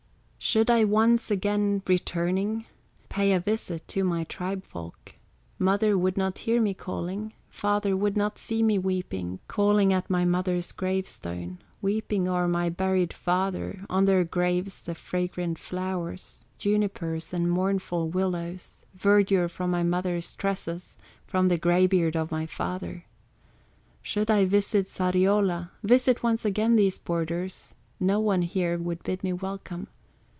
"Should I once again, returning, Pay a visit to my tribe folk, Mother would not hear me calling, Father would not see me weeping, Calling at my mother's grave stone, Weeping o'er my buried father, On their graves the fragrant flowers, Junipers and mournful willows, Verdure from my mother's tresses, From the gray beard of my father. "Should I visit Sariola, Visit once again these borders, No one here would bid me welcome.